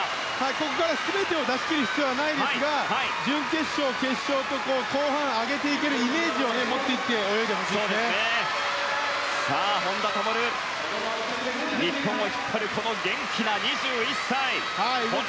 ここから全てを出しきる必要はないですが準決勝、決勝と後半上げていけるイメージを持って本多灯日本を引っ張る元気な２１歳。